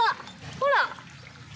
ほら！